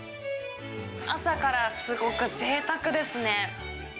朝からすごくぜいたくですね。